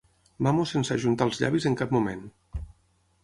Mamo sense ajuntar els llavis en cap moment.